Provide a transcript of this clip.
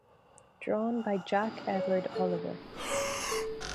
Drawn by Jack Edward Oliver.